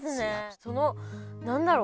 その何だろう？